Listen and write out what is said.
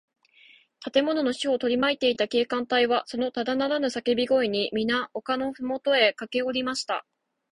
建物の四ほうをとりまいていた警官隊は、そのただならぬさけび声に、みな丘のふもとへかけおりました。